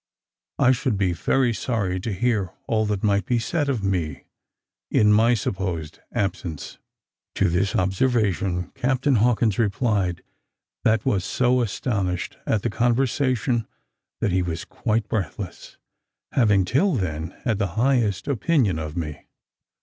I should be very sorry to hear all that might be said of me in my supposed absence." To this observation, Captain Hawkins replied, that was so astonished at the conversation, that he was quite breathless, having, till then, had the highest opinion of me.